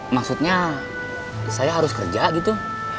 maksudnya saya harus kerja gitu